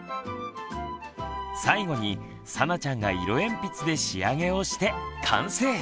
最後にさなちゃんが色鉛筆で仕上げをして完成！